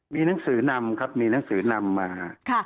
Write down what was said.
มีหนังสือนำครับมีหนังสือนำมา